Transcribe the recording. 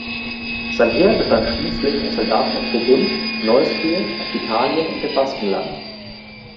Sein Heer bestand schließlich aus Soldaten aus Burgund, Neustrien, Aquitanien und dem Baskenland.